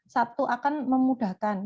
itu akan memudahkan